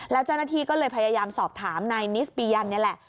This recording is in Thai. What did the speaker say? แล้วเจ้าหน้าที่ก็เลยพยายามสอบถามนายนิสปียันนี่แหละ